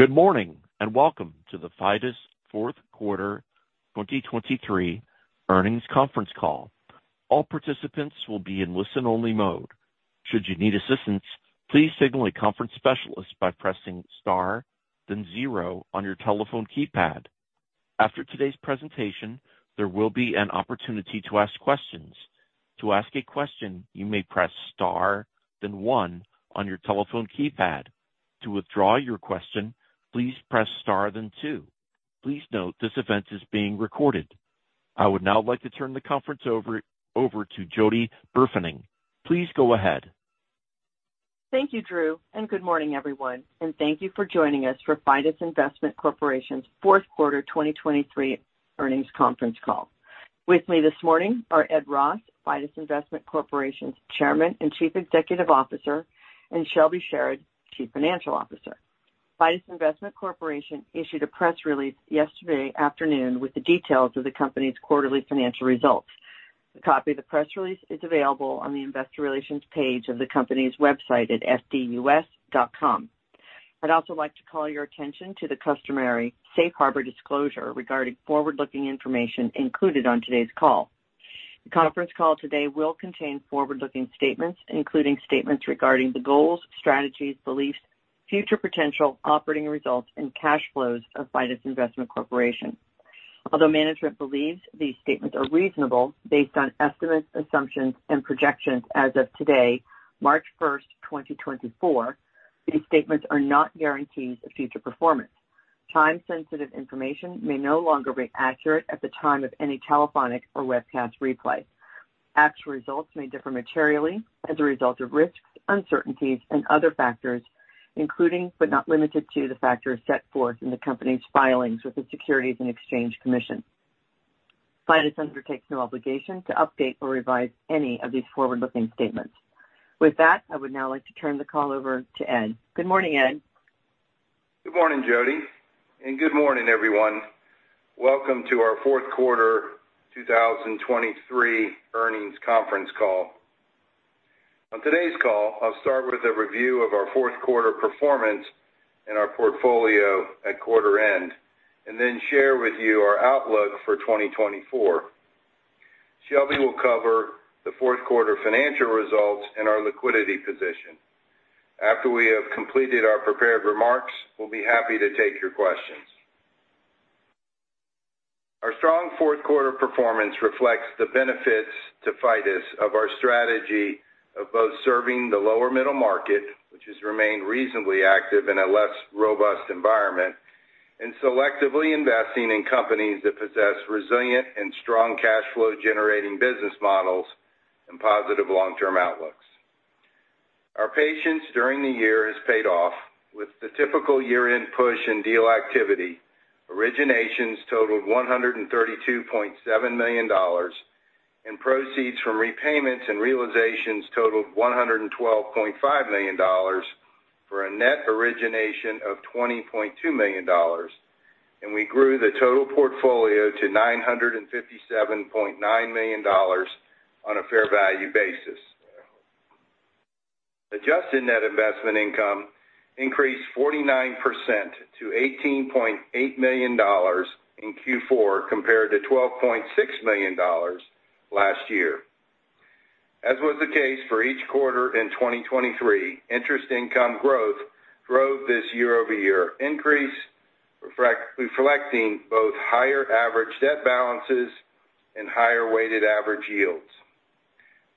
Good morning and welcome to the Fidus fourth quarter 2023 earnings conference call. All participants will be in listen-only mode. Should you need assistance, please signal a conference specialist by pressing * then 0 on your telephone keypad. After today's presentation, there will be an opportunity to ask questions. To ask a question, you may press * then 1 on your telephone keypad. To withdraw your question, please press * then 2. Please note this event is being recorded. I would now like to turn the conference over to Jody Burfening. Please go ahead. Thank you, Drew, and good morning, everyone. Thank you for joining us for Fidus Investment Corporation's fourth quarter 2023 earnings conference call. With me this morning are Ed Ross, Fidus Investment Corporation's Chairman and Chief Executive Officer, and Shelby Sherard, Chief Financial Officer. Fidus Investment Corporation issued a press release yesterday afternoon with the details of the company's quarterly financial results. A copy of the press release is available on the investor relations page of the company's website at fdus.com. I'd also like to call your attention to the customary Safe Harbor disclosure regarding forward-looking information included on today's call. The conference call today will contain forward-looking statements, including statements regarding the goals, strategies, beliefs, future potential, operating results, and cash flows of Fidus Investment Corporation. Although management believes these statements are reasonable based on estimates, assumptions, and projections as of today, March 1, 2024, these statements are not guarantees of future performance. Time-sensitive information may no longer be accurate at the time of any telephonic or webcast replay. Actual results may differ materially as a result of risks, uncertainties, and other factors, including but not limited to the factors set forth in the company's filings with the Securities and Exchange Commission. Fidus undertakes no obligation to update or revise any of these forward-looking statements. With that, I would now like to turn the call over to Ed. Good morning, Ed. Good morning, Jody, and good morning, everyone. Welcome to our fourth quarter 2023 earnings conference call. On today's call, I'll start with a review of our fourth quarter performance and our portfolio at quarter end, and then share with you our outlook for 2024. Shelby will cover the fourth quarter financial results and our liquidity position. After we have completed our prepared remarks, we'll be happy to take your questions. Our strong fourth quarter performance reflects the benefits to FDUS of our strategy of both serving the lower middle market, which has remained reasonably active in a less robust environment, and selectively investing in companies that possess resilient and strong cash flow-generating business models and positive long-term outlooks. Our patience during the year has paid off. With the typical year-end push in deal activity, originations totaled $132.7 million, and proceeds from repayments and realizations totaled $112.5 million for a net origination of $20.2 million, and we grew the total portfolio to $957.9 million on a fair value basis. Adjusted net investment income increased 49% to $18.8 million in Q4 compared to $12.6 million last year. As was the case for each quarter in 2023, interest income growth drove this year-over-year increase, reflecting both higher average debt balances and higher weighted average yields.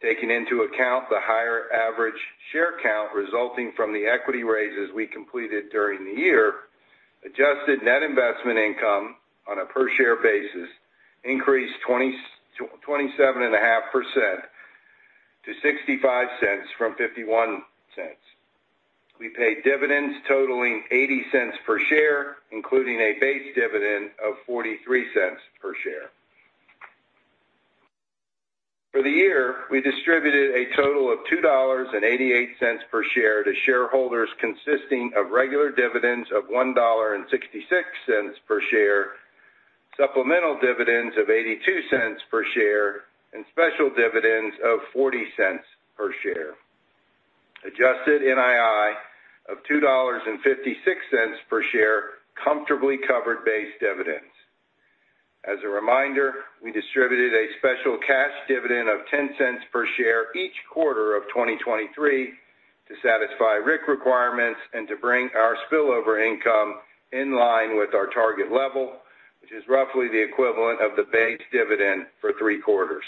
Taking into account the higher average share count resulting from the equity raises we completed during the year, adjusted net investment income on a per-share basis increased 27.5% to $0.65 from $0.51. We paid dividends totaling $0.80 per share, including a base dividend of $0.43 per share. For the year, we distributed a total of $2.88 per share to shareholders consisting of regular dividends of $1.66 per share, supplemental dividends of $0.82 per share, and special dividends of $0.40 per share. Adjusted NII of $2.56 per share comfortably covered base dividends. As a reminder, we distributed a special cash dividend of $0.10 per share each quarter of 2023 to satisfy RIC requirements and to bring our spillover income in line with our target level, which is roughly the equivalent of the base dividend for three quarters.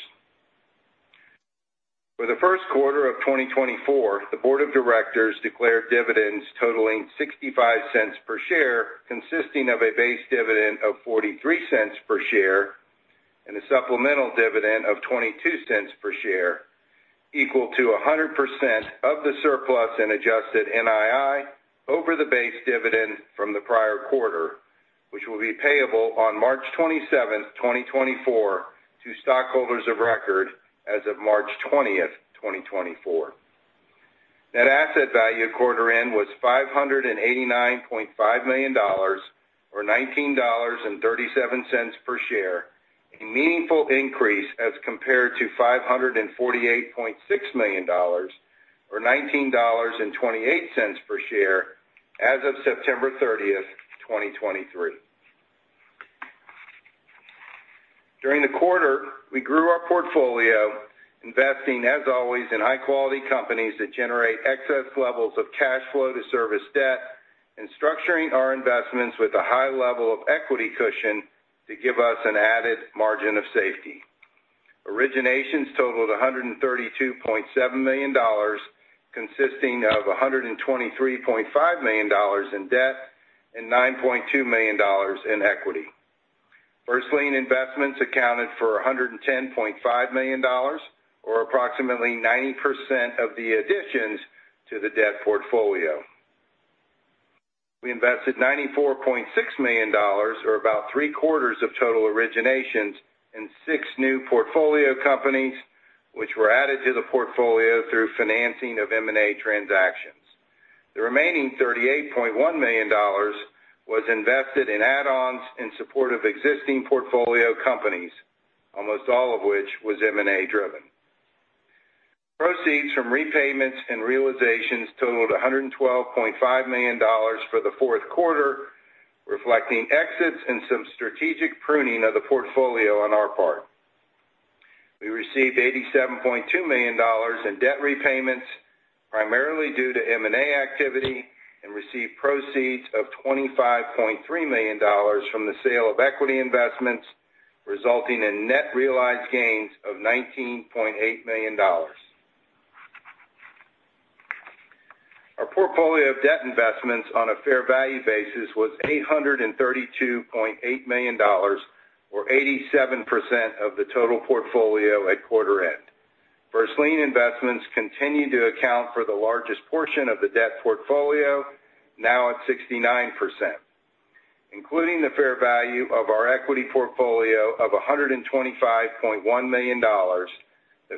For the first quarter of 2024, the board of directors declared dividends totaling $0.65 per share consisting of a base dividend of $0.43 per share and a supplemental dividend of $0.22 per share equal to 100% of the surplus in adjusted NII over the base dividend from the prior quarter, which will be payable on March 27, 2024, to stockholders of record as of March 20, 2024. Net asset value quarter end was $589.5 million or $19.37 per share, a meaningful increase as compared to $548.6 million or $19.28 per share as of September 30, 2023. During the quarter, we grew our portfolio, investing, as always, in high-quality companies that generate excess levels of cash flow to service debt and structuring our investments with a high level of equity cushion to give us an added margin of safety. Originations totaled $132.7 million consisting of $123.5 million in debt and $9.2 million in equity. First Lien investments accounted for $110.5 million or approximately 90% of the additions to the debt portfolio. We invested $94.6 million or about three-quarters of total originations in six new portfolio companies, which were added to the portfolio through financing of M&A transactions. The remaining $38.1 million was invested in add-ons in support of existing portfolio companies, almost all of which was M&A-driven. Proceeds from repayments and realizations totaled $112.5 million for the fourth quarter, reflecting exits and some strategic pruning of the portfolio on our part. We received $87.2 million in debt repayments, primarily due to M&A activity, and received proceeds of $25.3 million from the sale of equity investments, resulting in net realized gains of $19.8 million. Our portfolio of debt investments on a fair value basis was $832.8 million or 87% of the total portfolio at quarter end. First Lien investments continue to account for the largest portion of the debt portfolio, now at 69%. Including the fair value of our equity portfolio of $125.1 million, the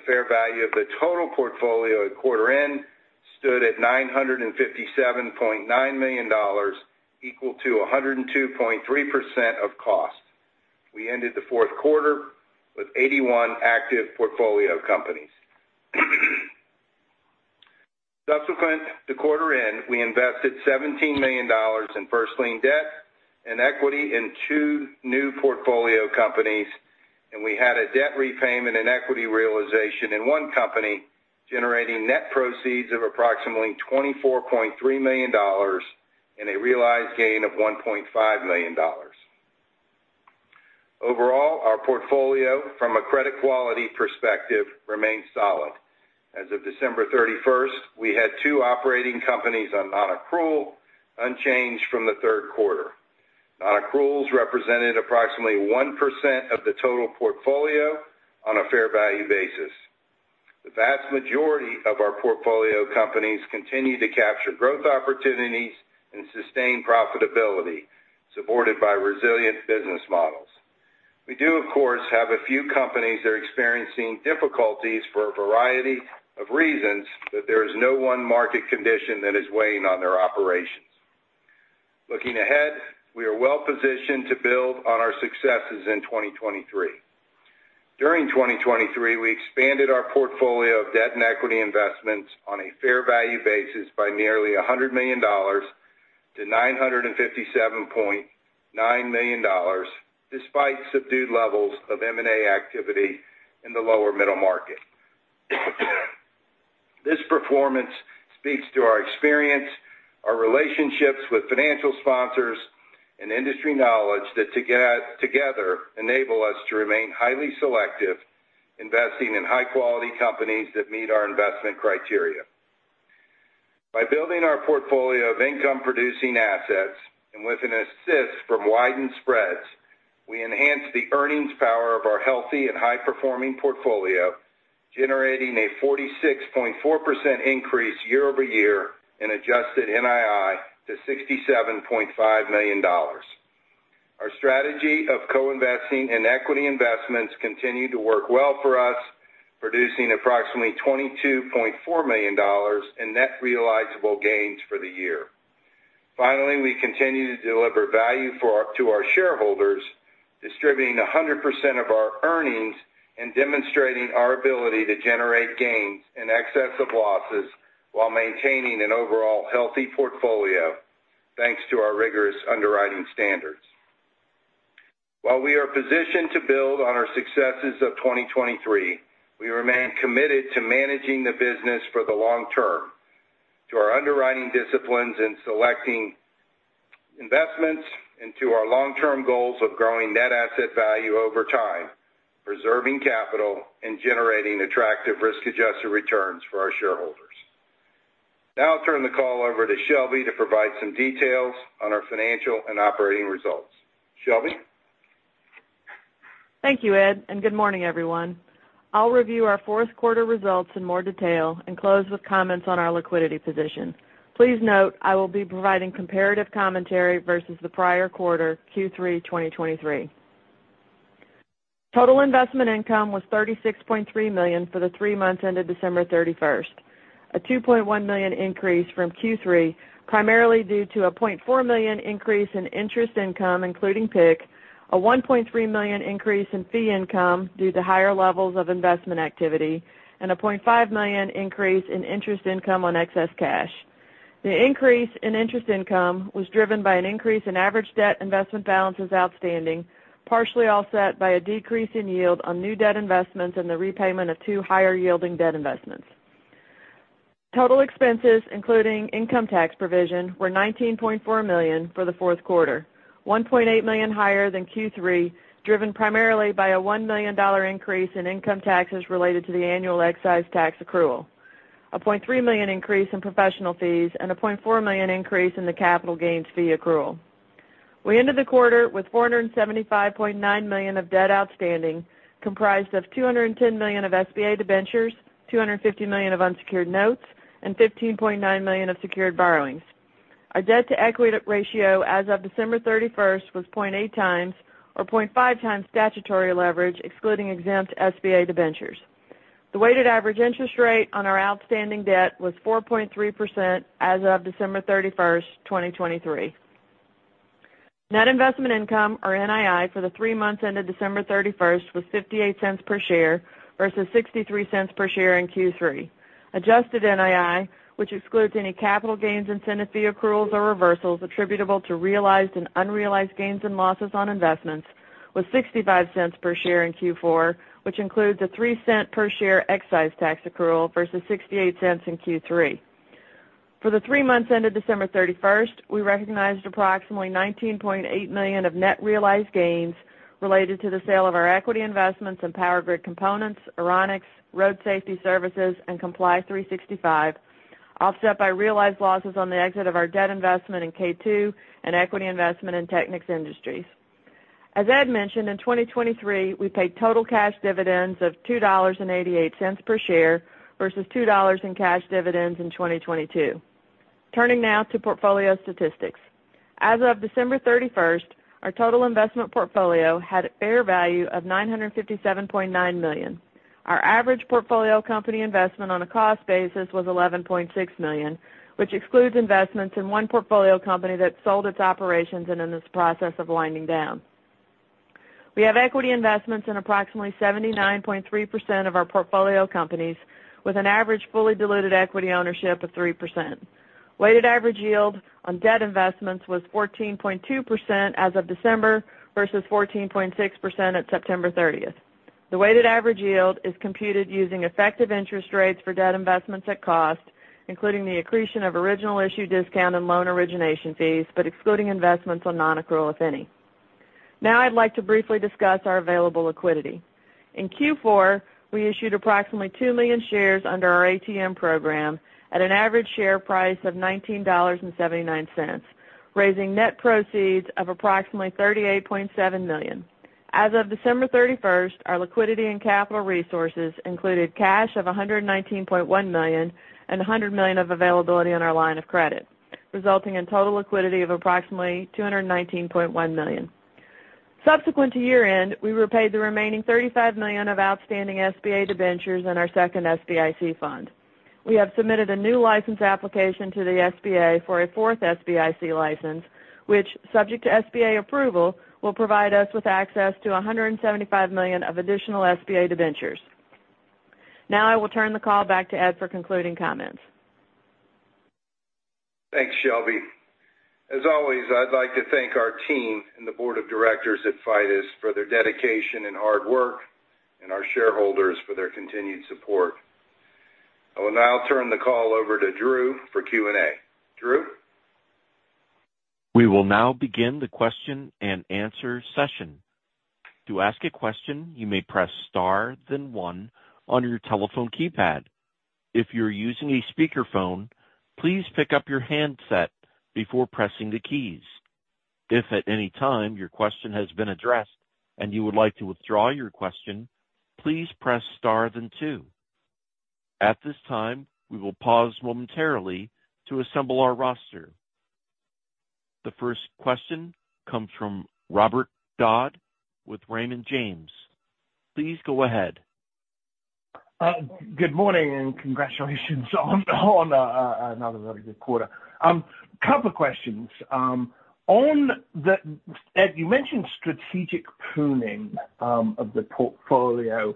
fair value of the total portfolio at quarter end stood at $957.9 million equal to 102.3% of cost. We ended the fourth quarter with 81 active portfolio companies. Subsequent to quarter end, we invested $17 million in First Lien debt and equity in two new portfolio companies, and we had a debt repayment and equity realization in one company generating net proceeds of approximately $24.3 million and a realized gain of $1.5 million. Overall, our portfolio, from a credit quality perspective, remained solid. As of December 31, we had two operating companies on non-accrual, unchanged from the third quarter. Non-accruals represented approximately 1% of the total portfolio on a fair value basis. The vast majority of our portfolio companies continue to capture growth opportunities and sustain profitability, supported by resilient business models. We do, of course, have a few companies that are experiencing difficulties for a variety of reasons, but there is no one market condition that is weighing on their operations. Looking ahead, we are well positioned to build on our successes in 2023. During 2023, we expanded our portfolio of debt and equity investments on a fair value basis by nearly $100 million to $957.9 million, despite subdued levels of M&A activity in the lower middle market. This performance speaks to our experience, our relationships with financial sponsors, and industry knowledge that together enable us to remain highly selective, investing in high-quality companies that meet our investment criteria. By building our portfolio of income-producing assets and with an assist from widened spreads, we enhance the earnings power of our healthy and high-performing portfolio, generating a 46.4% increase year-over-year in adjusted NII to $67.5 million. Our strategy of co-investing in equity investments continued to work well for us, producing approximately $22.4 million in net realizable gains for the year. Finally, we continue to deliver value to our shareholders, distributing 100% of our earnings and demonstrating our ability to generate gains in excess of losses while maintaining an overall healthy portfolio, thanks to our rigorous underwriting standards. While we are positioned to build on our successes of 2023, we remain committed to managing the business for the long term, to our underwriting disciplines in selecting investments, and to our long-term goals of growing net asset value over time, preserving capital, and generating attractive risk-adjusted returns for our shareholders. Now I'll turn the call over to Shelby to provide some details on our financial and operating results. Shelby? Thank you, Ed, and good morning, everyone. I'll review our fourth quarter results in more detail and close with comments on our liquidity position. Please note, I will be providing comparative commentary versus the prior quarter, Q3 2023. Total investment income was $36.3 million for the three months ended December 31, a $2.1 million increase from Q3 primarily due to a $0.4 million increase in interest income, including PIK, a $1.3 million increase in fee income due to higher levels of investment activity, and a $0.5 million increase in interest income on excess cash. The increase in interest income was driven by an increase in average debt investment balances outstanding, partially offset by a decrease in yield on new debt investments and the repayment of two higher-yielding debt investments. Total expenses, including income tax provision, were $19.4 million for the fourth quarter, $1.8 million higher than Q3, driven primarily by a $1 million increase in income taxes related to the annual excise tax accrual, a $0.3 million increase in professional fees, and a $0.4 million increase in the capital gains fee accrual. We ended the quarter with $475.9 million of debt outstanding, comprised of $210 million of SBA debentures, $250 million of unsecured notes, and $15.9 million of secured borrowings. Our debt-to-equity ratio as of December 31 was 0.8 times or 0.5 times statutory leverage, excluding exempt SBA debentures. The weighted average interest rate on our outstanding debt was 4.3% as of December 31, 2023. Net investment income, or NII, for the three months ended December 31 was $0.58 per share versus $0.63 per share in Q3. Adjusted NII, which excludes any capital gains incentive fee accruals or reversals attributable to realized and unrealized gains and losses on investments, was $0.65 per share in Q4, which includes a $0.03 per share excise tax accrual versus $0.68 in Q3. For the three months ended December 31, we recognized approximately $19.8 million of net realized gains related to the sale of our equity investments in Power Grid Components, Aerionics, Road Safety Services, and Comply365, offset by realized losses on the exit of our debt investment in K2 and equity investment in Techniks Industries. As Ed mentioned, in 2023, we paid total cash dividends of $2.88 per share versus $2.00 in cash dividends in 2022. Turning now to portfolio statistics. As of December 31, our total investment portfolio had a fair value of $957.9 million. Our average portfolio company investment on a cost basis was $11.6 million, which excludes investments in one portfolio company that sold its operations and is in the process of winding down. We have equity investments in approximately 79.3% of our portfolio companies, with an average fully diluted equity ownership of 3%. Weighted average yield on debt investments was 14.2% as of December versus 14.6% at September 30. The weighted average yield is computed using effective interest rates for debt investments at cost, including the accretion of Original Issue Discount and loan origination fees, but excluding investments on non-accrual, if any. Now I'd like to briefly discuss our available liquidity. In Q4, we issued approximately 2 million shares under our ATM program at an average share price of $19.79, raising net proceeds of approximately $38.7 million. As of December 31, our liquidity and capital resources included cash of $119.1 million and $100 million of availability on our line of credit, resulting in total liquidity of approximately $219.1 million. Subsequent to year-end, we repaid the remaining $35 million of outstanding SBA debentures in our second SBIC fund. We have submitted a new license application to the SBA for a fourth SBIC license, which, subject to SBA approval, will provide us with access to $175 million of additional SBA debentures. Now I will turn the call back to Ed for concluding comments. Thanks, Shelby. As always, I'd like to thank our team and the board of directors at Fidus for their dedication and hard work, and our shareholders for their continued support. I will now turn the call over to Drew for Q&A. Drew? We will now begin the question and answer session. To ask a question, you may press star then one on your telephone keypad. If you're using a speakerphone, please pick up your handset before pressing the keys. If at any time your question has been addressed and you would like to withdraw your question, please press star then two. At this time, we will pause momentarily to assemble our roster. The first question comes from Robert Dodd with Raymond James. Please go ahead. Good morning and congratulations on another very good quarter. A couple of questions. Ed, you mentioned strategic pruning of the portfolio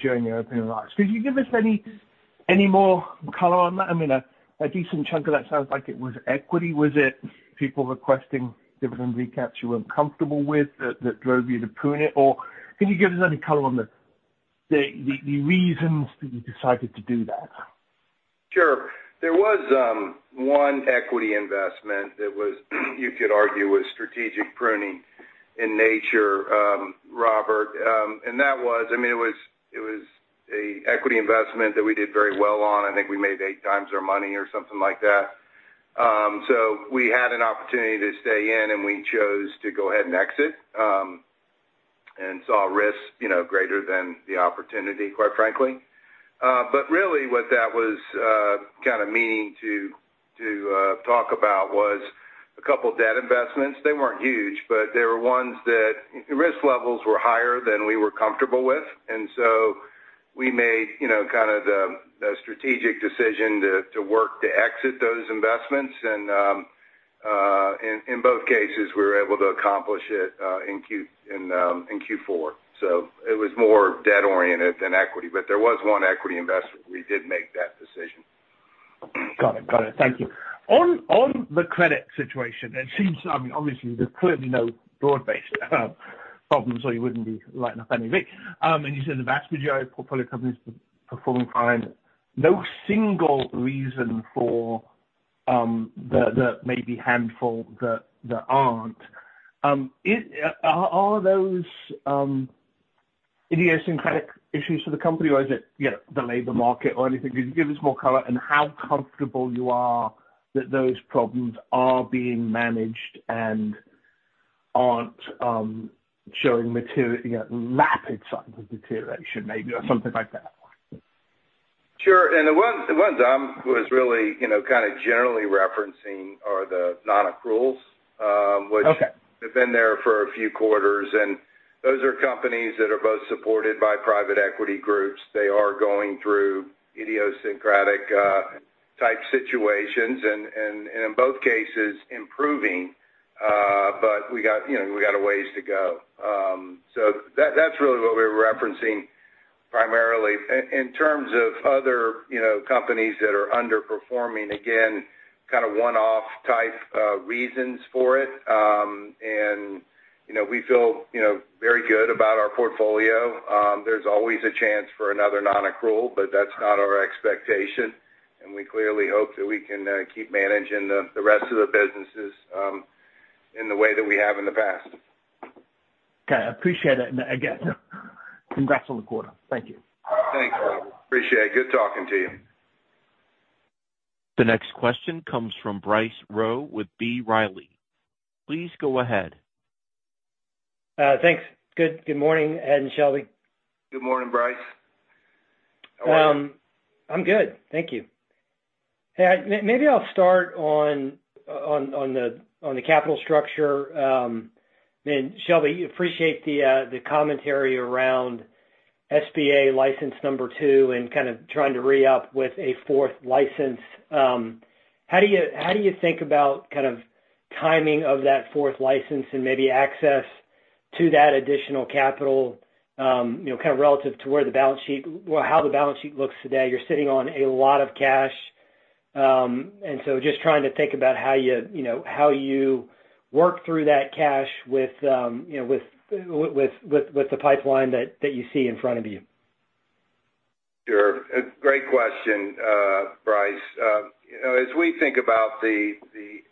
during the opening remarks. Could you give us any more color on that? I mean, a decent chunk of that sounds like it was equity. Was it people requesting dividend recaps you weren't comfortable with that drove you to prune it? Or can you give us any color on the reasons that you decided to do that? Sure. There was one equity investment that you could argue was strategic pruning in nature, Robert, and that was I mean, it was an equity investment that we did very well on. I think we made 8x our money or something like that. So we had an opportunity to stay in, and we chose to go ahead and exit and saw risks greater than the opportunity, quite frankly. But really, what that was kind of meaning to talk about was a couple of debt investments. They weren't huge, but there were ones that risk levels were higher than we were comfortable with. And so we made kind of the strategic decision to work to exit those investments. And in both cases, we were able to accomplish it in Q4. So it was more debt-oriented than equity. But there was one equity investment where we did make that decision. Got it. Got it. Thank you. On the credit situation, it seems I mean, obviously, there's clearly no broad-based problems, so you wouldn't be lighting up anything. And you said the vast majority of portfolio companies performing fine. No single reason for the maybe handful that aren't. Are those idiosyncratic issues for the company, or is it the labor market or anything? Could you give us more color on how comfortable you are that those problems are being managed and aren't showing rapid signs of deterioration maybe or something like that? Sure. And the ones I was really kind of generally referencing are the non-accruals, which have been there for a few quarters. And those are companies that are both supported by private equity groups. They are going through idiosyncratic-type situations and, in both cases, improving. But we got a ways to go. So that's really what we were referencing primarily. In terms of other companies that are underperforming, again, kind of one-off-type reasons for it. And we feel very good about our portfolio. There's always a chance for another non-accrual, but that's not our expectation. And we clearly hope that we can keep managing the rest of the businesses in the way that we have in the past. Okay. Appreciate it. And again, congrats on the quarter. Thank you. Thanks, Robert. Appreciate it. Good talking to you. The next question comes from Bryce Rowe with B. Riley. Please go ahead. Thanks. Good morning, Ed and Shelby. Good morning, Bryce. How are you? I'm good. Thank you. Hey, maybe I'll start on the capital structure. I mean, Shelby, appreciate the commentary around SBA license number 2 and kind of trying to re-up with a fourth license. How do you think about kind of timing of that fourth license and maybe access to that additional capital kind of relative to where the balance sheet, well, how the balance sheet looks today? You're sitting on a lot of cash. And so just trying to think about how you work through that cash with the pipeline that you see in front of you. Sure. Great question, Bryce. As we think about the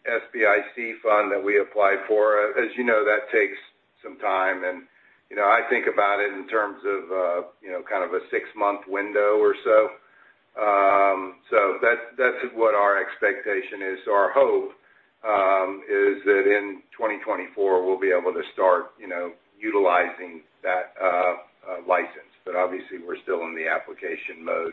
SBIC fund that we apply for, as you know, that takes some time. I think about it in terms of kind of a six-month window or so. That's what our expectation is. Our hope is that in 2024, we'll be able to start utilizing that license. But obviously, we're still in the application mode.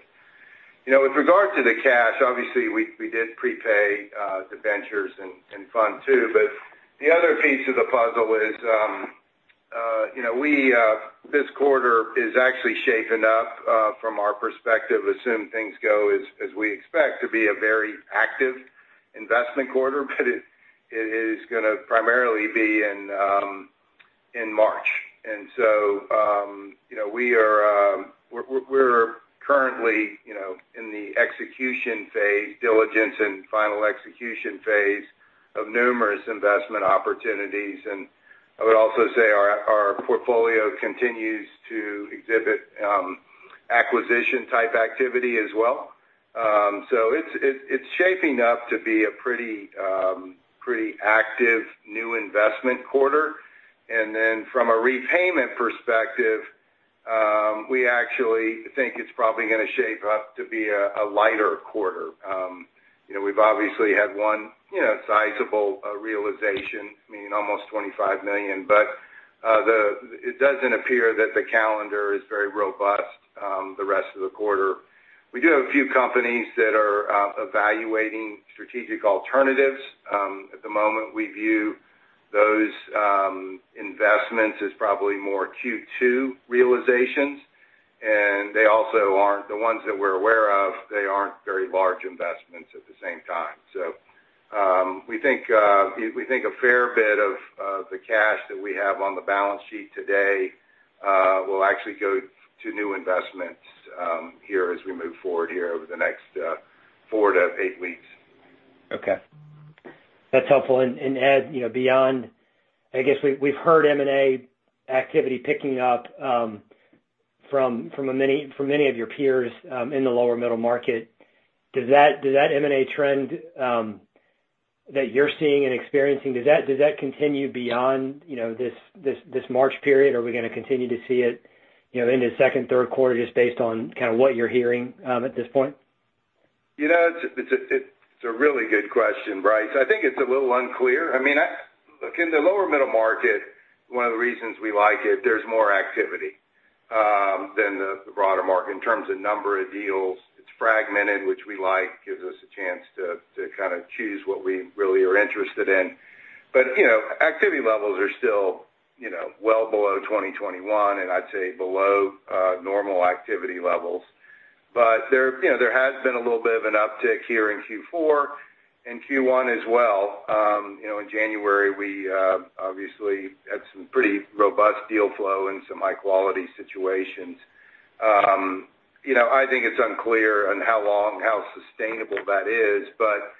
With regard to the cash, obviously, we did prepay debentures and Fund II. But the other piece of the puzzle is this quarter is actually shaping up from our perspective. Assume things go as we expect to be a very active investment quarter, but it is going to primarily be in March. And so we are currently in the execution phase, diligence and final execution phase of numerous investment opportunities. I would also say our portfolio continues to exhibit acquisition-type activity as well. So it's shaping up to be a pretty active new investment quarter. And then from a repayment perspective, we actually think it's probably going to shape up to be a lighter quarter. We've obviously had one sizable realization, I mean, almost $25 million. But it doesn't appear that the calendar is very robust the rest of the quarter. We do have a few companies that are evaluating strategic alternatives. At the moment, we view those investments as probably more Q2 realizations. And they also aren't the ones that we're aware of, they aren't very large investments at the same time. So we think a fair bit of the cash that we have on the balance sheet today will actually go to new investments here as we move forward here over the next four to eight weeks. Okay. That's helpful. And Ed, beyond, I guess, we've heard M&A activity picking up from many of your peers in the lower middle market. Does that M&A trend that you're seeing and experiencing, does that continue beyond this March period? Are we going to continue to see it into second, third quarter just based on kind of what you're hearing at this point? It's a really good question, Bryce. I think it's a little unclear. I mean, look, in the lower middle market, one of the reasons we like it, there's more activity than the broader market. In terms of number of deals, it's fragmented, which we like. Gives us a chance to kind of choose what we really are interested in. But activity levels are still well below 2021, and I'd say below normal activity levels. But there has been a little bit of an uptick here in Q4 and Q1 as well. In January, we obviously had some pretty robust deal flow and some high-quality situations. I think it's unclear on how long, how sustainable that is. But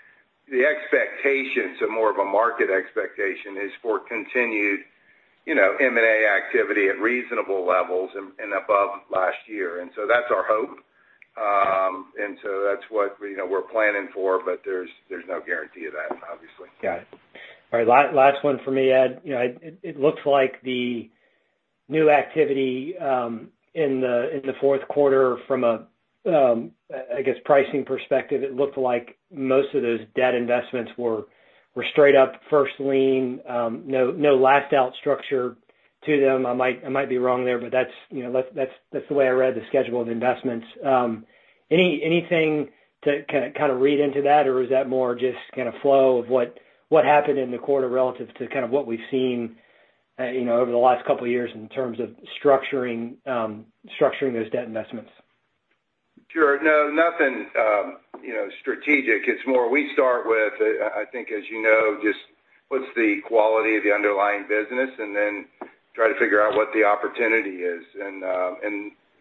the expectations, so more of a market expectation, is for continued M&A activity at reasonable levels and above last year. And so that's our hope. And so that's what we're planning for. But there's no guarantee of that, obviously. Got it. All right. Last one for me, Ed. It looks like the new activity in the fourth quarter, from a, I guess, pricing perspective, it looked like most of those debt investments were straight up First Lien, no last-out structure to them. I might be wrong there, but that's the way I read the schedule of investments. Anything to kind of read into that, or is that more just kind of flow of what happened in the quarter relative to kind of what we've seen over the last couple of years in terms of structuring those debt investments? Sure. No, nothing strategic. It's more we start with, I think, as you know, just what's the quality of the underlying business and then try to figure out what the opportunity is. And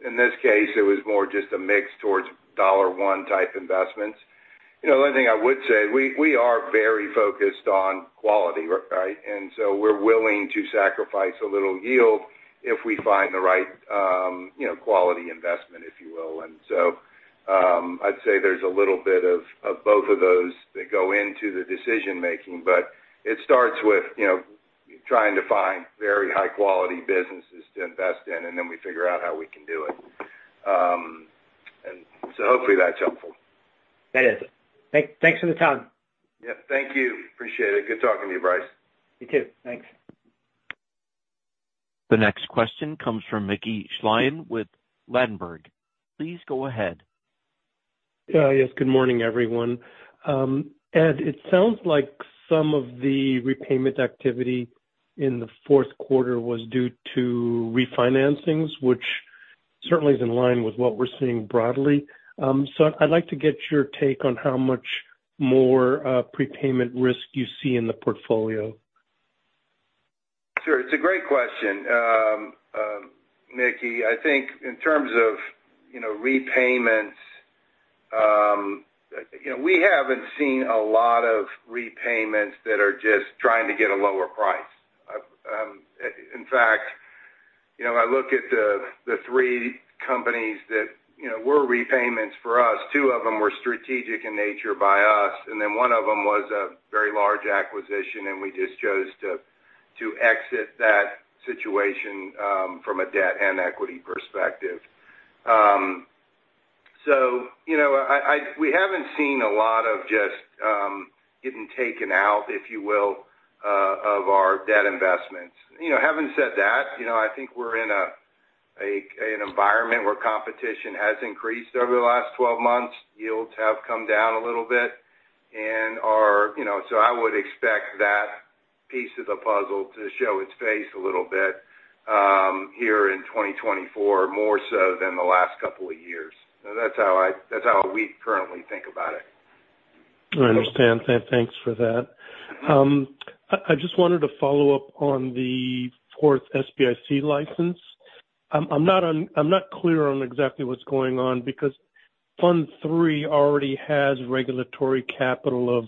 in this case, it was more just a mix towards dollar-one type investments. The other thing I would say, we are very focused on quality, right? And so we're willing to sacrifice a little yield if we find the right quality investment, if you will. And so I'd say there's a little bit of both of those that go into the decision-making. But it starts with trying to find very high-quality businesses to invest in, and then we figure out how we can do it. And so hopefully, that's helpful. That is. Thanks for the time. Yeah. Thank you. Appreciate it. Good talking to you, Bryce. You too. Thanks. The next question comes from Mickey Schleien with Ladenburg. Please go ahead. Yes. Good morning, everyone. Ed, it sounds like some of the repayment activity in the fourth quarter was due to refinancings, which certainly is in line with what we're seeing broadly. So I'd like to get your take on how much more prepayment risk you see in the portfolio. Sure. It's a great question, Mickey. I think in terms of repayments, we haven't seen a lot of repayments that are just trying to get a lower price. In fact, I look at the three companies that were repayments for us. Two of them were strategic in nature by us. And then one of them was a very large acquisition, and we just chose to exit that situation from a debt and equity perspective. So we haven't seen a lot of just getting taken out, if you will, of our debt investments. Having said that, I think we're in an environment where competition has increased over the last 12 months. Yields have come down a little bit. And so I would expect that piece of the puzzle to show its face a little bit here in 2024, more so than the last couple of years. That's how we currently think about it. I understand. Thanks for that. I just wanted to follow up on the fourth SBIC license. I'm not clear on exactly what's going on because Fund III already has regulatory capital of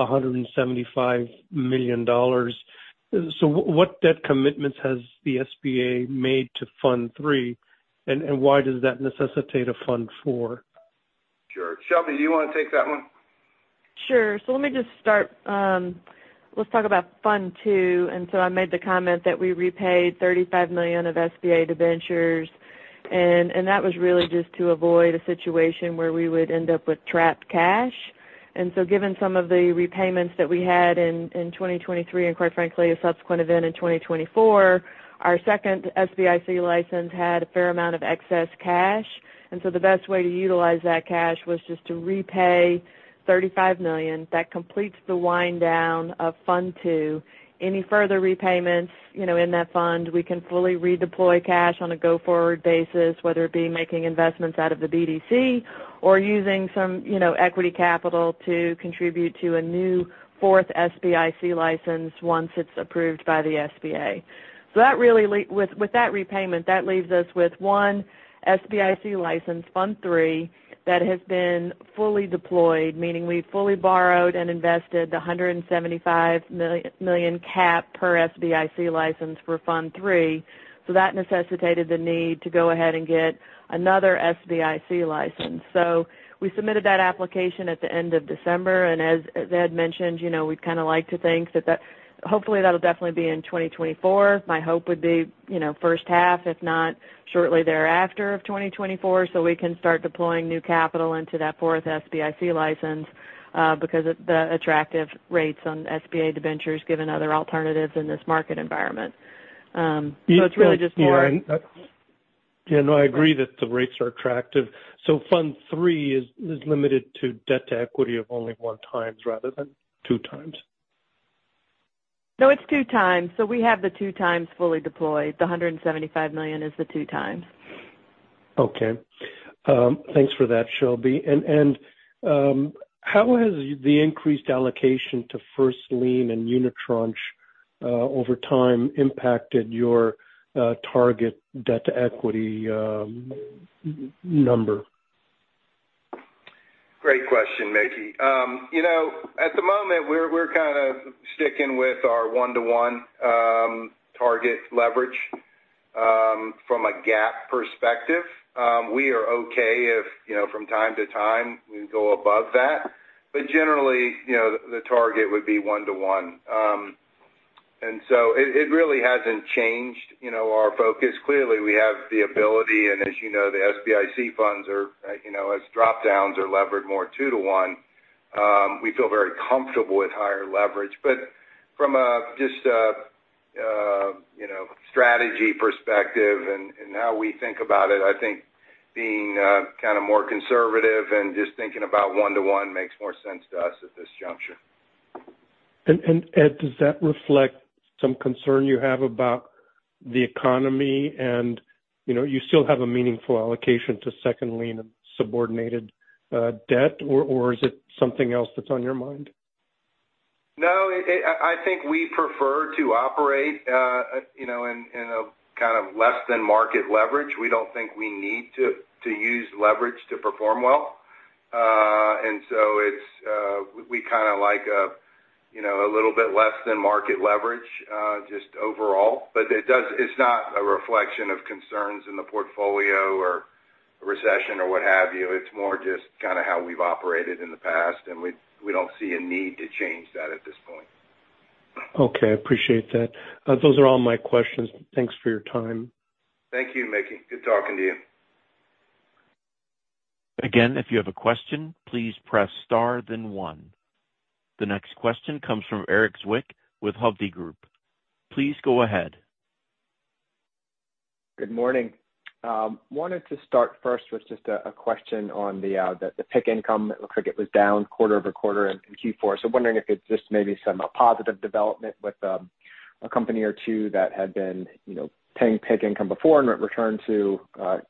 $175 million. So what debt commitments has the SBA made to fund three, and why does that necessitate a fund four? Sure. Shelby, do you want to take that one? Sure. So let me just start. Let's talk about fund two. And so I made the comment that we repaid $35 million of SBA debentures. And that was really just to avoid a situation where we would end up with trapped cash. And so given some of the repayments that we had in 2023 and, quite frankly, a subsequent event in 2024, our second SBIC license had a fair amount of excess cash. And so the best way to utilize that cash was just to repay $35 million. That completes the wind-down of fund two. Any further repayments in that fund, we can fully redeploy cash on a go-forward basis, whether it be making investments out of the BDC or using some equity capital to contribute to a new fourth SBIC license once it's approved by the SBA. So with that repayment, that leaves us with one SBIC license, Fund 3 that has been fully deployed, meaning we've fully borrowed and invested the $175 million cap per SBIC license for Fund 3. So that necessitated the need to go ahead and get another SBIC license. So we submitted that application at the end of December. And as Ed mentioned, we'd kind of like to think that hopefully, that'll definitely be in 2024. My hope would be first half, if not shortly thereafter of 2024, so we can start deploying new capital into that fourth SBIC license because of the attractive rates on SBA debentures, given other alternatives in this market environment. So it's really just more. Yeah. No, I agree that the rates are attractive. So fund three is limited to debt to equity of only 1x rather than 2x? No, it's 2x. So we have the 2x fully deployed. The $175 million is the 2x. Okay. Thanks for that, Shelby. How has the increased allocation to First Lien and Unitranche over time impacted your target debt to equity number? Great question, Mickey. At the moment, we're kind of sticking with our 1-to-1 target leverage from a GAAP perspective. We are okay if, from time to time, we go above that. But generally, the target would be 1-to-1. And so it really hasn't changed our focus. Clearly, we have the ability. And as you know, the SBIC funds, as dropdowns are levered more 2-to-1, we feel very comfortable with higher leverage. But from just a strategy perspective and how we think about it, I think being kind of more conservative and just thinking about 1-to-1 makes more sense to us at this juncture. Ed, does that reflect some concern you have about the economy? You still have a meaningful allocation to second lien and subordinated debt, or is it something else that's on your mind? No. I think we prefer to operate in a kind of less-than-market leverage. We don't think we need to use leverage to perform well. And so we kind of like a little bit less-than-market leverage just overall. But it's not a reflection of concerns in the portfolio or recession or what have you. It's more just kind of how we've operated in the past. And we don't see a need to change that at this point. Okay. Appreciate that. Those are all my questions. Thanks for your time. Thank you, Mickey. Good talking to you. Again, if you have a question, please press star, then one. The next question comes from Erik Zwick with Hovde Group. Please go ahead. Good morning. Wanted to start first with just a question on the PIK income. It looks like it was down quarter over quarter in Q4. So wondering if it's just maybe some positive development with a company or two that had been paying PIK income before and returned to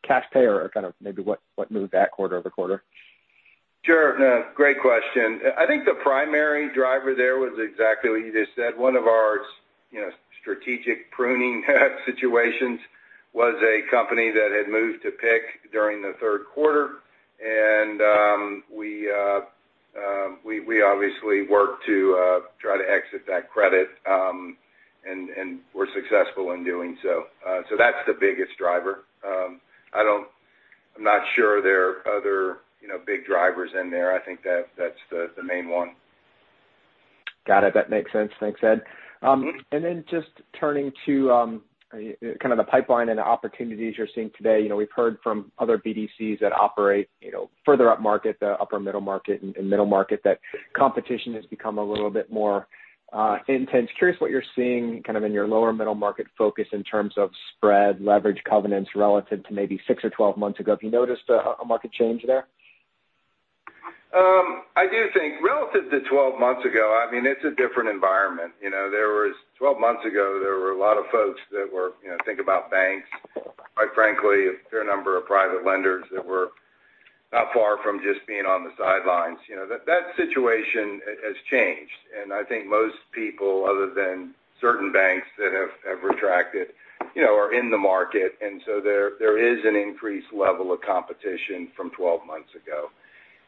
cash pay or kind of maybe what moved that quarter over quarter? Sure. Great question. I think the primary driver there was exactly what you just said. One of our strategic pruning situations was a company that had moved to PIK during the third quarter. We obviously worked to try to exit that credit, and we're successful in doing so. That's the biggest driver. I'm not sure there are other big drivers in there. I think that's the main one. Got it. That makes sense. Thanks, Ed. And then just turning to kind of the pipeline and opportunities you're seeing today, we've heard from other BDCs that operate further up market, the upper middle market and middle market, that competition has become a little bit more intense. Curious what you're seeing kind of in your lower middle market focus in terms of spread, leverage, covenants relative to maybe 6 or 12 months ago. Have you noticed a market change there? I do think relative to 12 months ago, I mean, it's a different environment. 12 months ago, there were a lot of folks that were thinking about banks, quite frankly, a fair number of private lenders that were not far from just being on the sidelines. That situation has changed. I think most people, other than certain banks that have retracted, are in the market. So there is an increased level of competition from 12 months ago.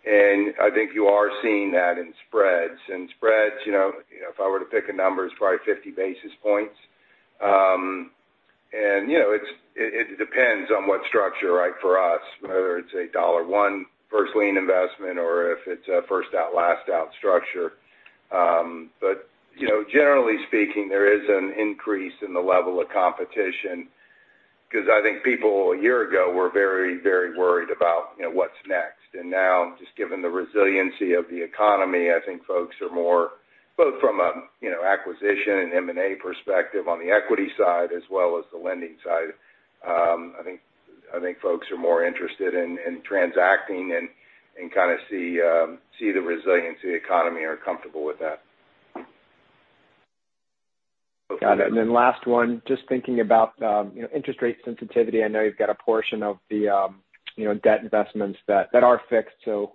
I think you are seeing that in spreads. Spreads, if I were to pick a number, it's probably 50 basis points. It depends on what structure, right, for us, whether it's a dollar-one first lien investment or if it's a first-out, last-out structure. Generally speaking, there is an increase in the level of competition because I think people a year ago were very, very worried about what's next. Now, just given the resiliency of the economy, I think folks are more both from an acquisition and M&A perspective on the equity side as well as the lending side. I think folks are more interested in transacting and kind of see the resiliency economy and are comfortable with that. Got it. And then last one, just thinking about interest rate sensitivity. I know you've got a portion of the debt investments that are fixed. So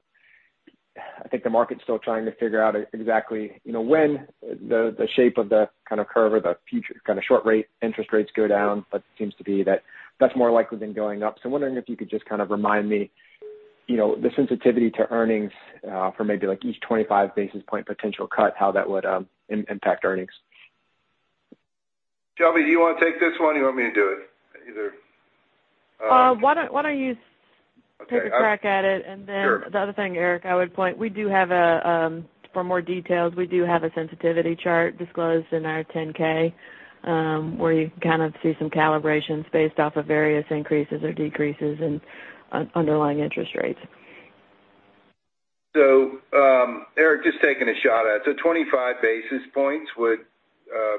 I think the market's still trying to figure out exactly when the shape of the kind of curve or the kind of short-rate interest rates go down, but it seems to be that that's more likely than going up. So wondering if you could just kind of remind me the sensitivity to earnings for maybe each 25 basis points potential cut, how that would impact earnings? Shelby, do you want to take this one? You want me to do it? Either. Why don't you take a crack at it? And then the other thing, Eric, I would point out, for more details we do have a sensitivity chart disclosed in our 10-K where you can kind of see some calibrations based off of various increases or decreases in underlying interest rates. So Eric, just taking a shot at it. So 25 basis points would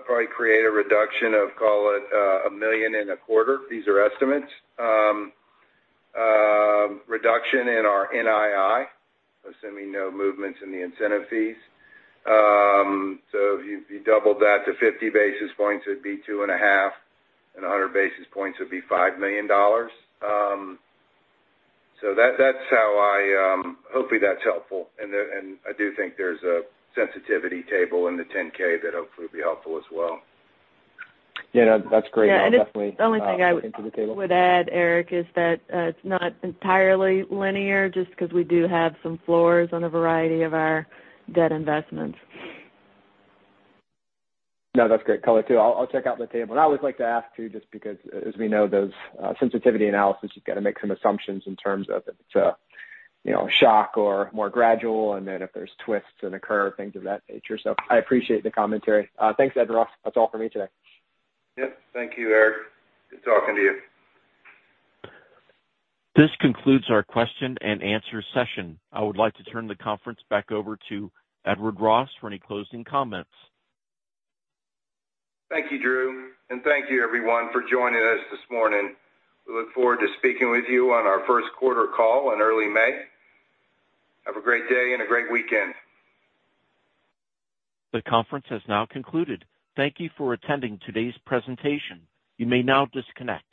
probably create a reduction of, call it, $1.25 million. These are estimates. Reduction in our NII, assuming no movements in the incentive fees. So if you doubled that to 50 basis points, it'd be $2.5 million. And 100 basis points would be $5 million. So that's how I hopefully, that's helpful. And I do think there's a sensitivity table in the 10-K that hopefully will be helpful as well. Yeah. That's great. I'll definitely add that into the table. Yeah. And the only thing I would add, Eric, is that it's not entirely linear just because we do have some floors on a variety of our debt investments. No, that's great color too. I'll check out the table. And I always like to ask too just because, as we know, those sensitivity analyses, you've got to make some assumptions in terms of if it's a shock or more gradual and then if there's twists in a curve, things of that nature. So I appreciate the commentary. Thanks, Ed Ross. That's all for me today. Yep. Thank you, Eric. Good talking to you. This concludes our question and answer session. I would like to turn the conference back over to Edward Ross for any closing comments. Thank you, Drew. Thank you, everyone, for joining us this morning. We look forward to speaking with you on our first quarter call in early May. Have a great day and a great weekend. The conference has now concluded. Thank you for attending today's presentation. You may now disconnect.